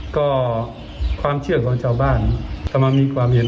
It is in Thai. ก็ความเชื่อของชาวบ้านก็มามีความเห็น